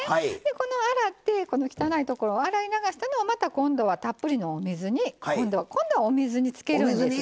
この洗って汚いところを洗い流したのをまた今度はたっぷりのお水に今度はお水につけるんですね。